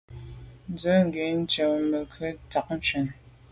Mə ghʉ̌ nshun ncʉ’ Mə ghʉ̌ tà’ nshunə.